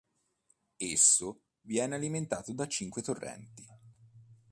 Esso viene alimentato da cinque torrenti.